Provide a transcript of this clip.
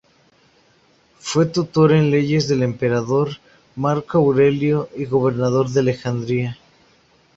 Fue tutor en leyes del emperador Marco Aurelio y gobernador de Alejandría.